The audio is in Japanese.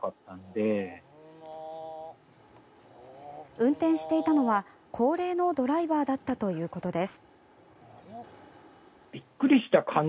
運転していたのは高齢のドライバーだったということです。